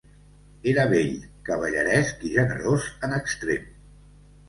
Era bell, cavalleresc i generós en extrem.